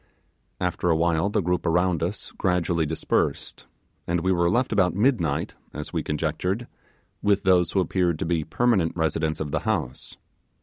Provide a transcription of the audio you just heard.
After a while the group around us gradually dispersed, and we were left about midnight (as we conjectured) with those who appeared to be permanent residents of the house.